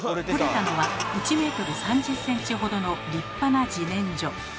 とれたのは１ｍ３０ｃｍほどの立派な自然薯。